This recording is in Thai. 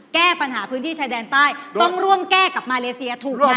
แก้ปัญหาพื้นที่ชายแดนใต้ต้องร่วมแก้กับมาเลเซียถูกลง